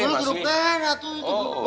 masih hidup deh